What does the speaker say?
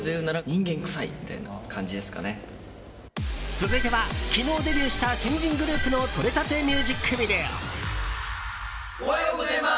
続いては昨日デビューした新人グループのとれたてミュージックビデオ！